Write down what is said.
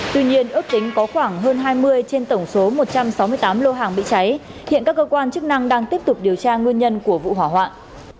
tuy nhiên ước tính có khoảng hơn hai mươi trên tổng số một trăm sáu mươi tám lô hàng bị cháy hiện các cơ quan chức năng đang tiếp tục điều tra nguyên nhân của vụ hỏa hoạn